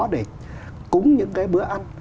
để cúng những cái bữa ăn